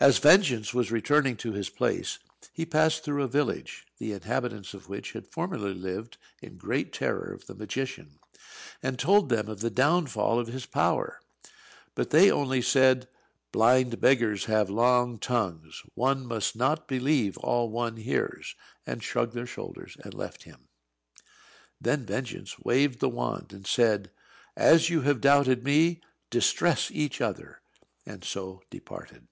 As Vengeance was returning to his place, he passed through a village, the inhabitants of which had formerly lived in great terror of the magician, and told them of the downfall of his power. But they only said, "Blind beggars have long tongues. One must not believe all one hears," and shrugged their shoulders, and left him. Then Vengeance waved the wand and said, "As you have doubted me, distress each other;" and so departed.